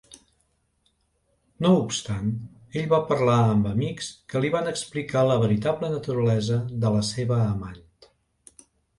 No obstant, ell va parlar amb amics que li van explicar la veritable naturalesa de la seva amant.